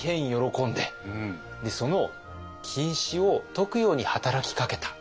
でその禁止を解くように働きかけた。